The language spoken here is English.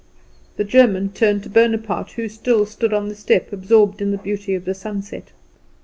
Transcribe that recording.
The German turned to Bonaparte, who still stood on the step absorbed in the beauty of the sunset.